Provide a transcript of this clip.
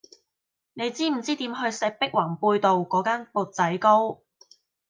你知唔知點去石壁宏貝道嗰間缽仔糕